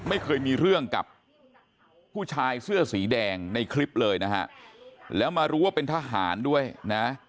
ไม่เคยมีเรื่องกับผู้ชายเสื้อสีแดงในคลิปเลยนะฮะแล้วมารู้ว่าเป็นทหารด้วยนะ